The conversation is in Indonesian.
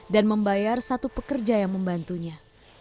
dan membayar satu pekerja yang membantunya